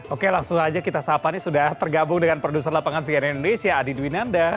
oke langsung saja kita sahapan sudah tergabung dengan produser lapangan segar indonesia adi duinanda